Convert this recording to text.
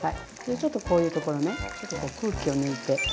ちょっとこういうところねちょっと空気を抜いて。